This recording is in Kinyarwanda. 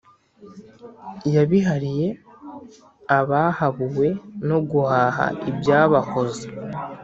Yabihariye abahabuwe No guhaha ibyabahoza.